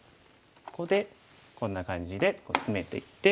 ここでこんな感じでツメていって。